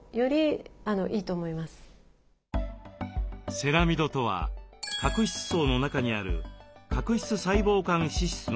セラミドとは角質層の中にある角質細胞間脂質の主成分です。